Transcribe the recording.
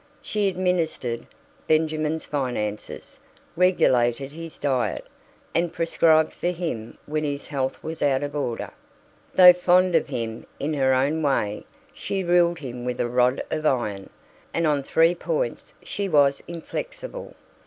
She administered Benjamin's finances, regulated his diet, and prescribed for him when his health was out order. Though fond of him in her own way, she ruled him with a rod of iron, and on three points she was inflexible.